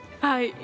はい。